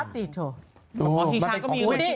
อ๋อชิงช้าก็มี